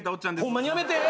ホンマにやめて！